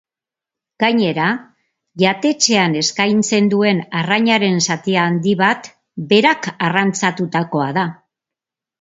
Gainera, jatetxean eskaintzen duen arrainaren zati handi bat berak arrantzatutakoa da.